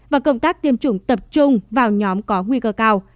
và công tác tiêm chủng tập trung vào nhóm có nguy cơ cao